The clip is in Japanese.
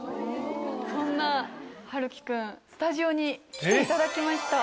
そんな陽喜君スタジオに来ていただきました。